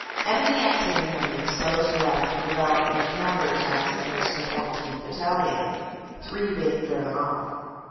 Enemy activity on the exposed left developed into counter attacks against the 14th. Battalion, three being driven off.